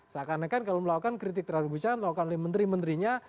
seakan akan kalau melakukan kritik terhadap kebijakan dilakukan oleh menteri menterinya